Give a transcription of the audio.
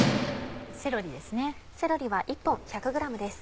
セロリですね。